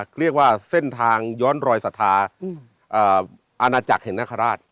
เรียกว่าเส้นทางย้อนรอยศรัทธาอาณาจักรเห็นนคราช